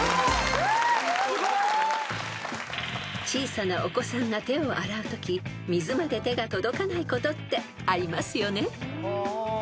［小さなお子さんが手を洗うとき水まで手が届かないことってありますよね］